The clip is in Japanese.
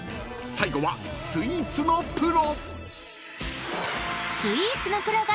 ［最後はスイーツのプロ］